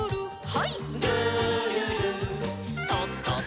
はい。